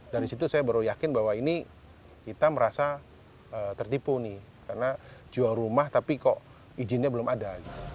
dari situ saya baru yakin bahwa ini kita merasa tertipu nih karena jual rumah tapi kok izinnya belum ada